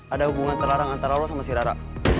ada hubungan terlarang antara lo sama si rara